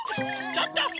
ちょっと！